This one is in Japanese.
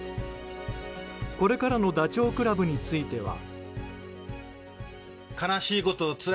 これからのダチョウ倶楽部については。